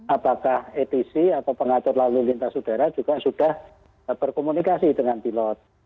apakah etc atau pengatur lalu lintas udara juga sudah berkomunikasi dengan pilot